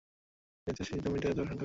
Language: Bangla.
এতে শ্রীযুক্ত অমিতের এত আশঙ্কা কেন।